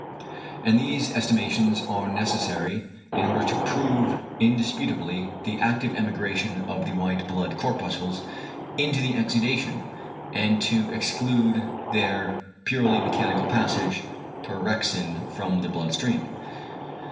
And these estimations are necessary in order to prove indisputably the active emigration of the white blood corpuscles into the exudation, and to exclude their purely mechanical passage, per rhexin, from the blood stream.